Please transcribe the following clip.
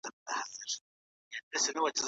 دا موضوع زما د علمي ژوند تر ټولو مهمه برخه وه.